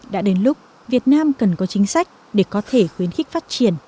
đã đến lúc việt nam cần có chính sách để có thể khuyến khích phát triển